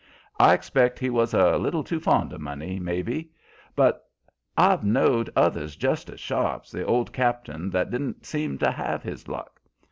I expect he was a little too fond of money, may be; but I've knowed others just as sharp's the old cap'n that didn't seem to have his luck.